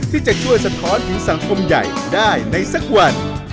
ที่จะช่วยสะท้อนถึงสังคมใหญ่ได้ในสักวัน